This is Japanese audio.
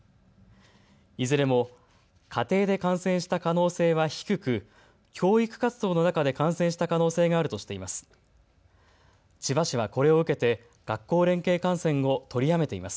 いずれも家庭で感染した可能性は低く教育活動の中で感染した可能性があるとしています。